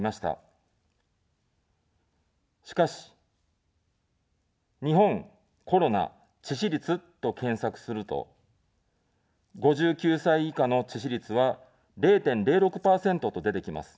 しかし、日本、コロナ、致死率と検索すると、５９歳以下の致死率は０．０６％と出てきます。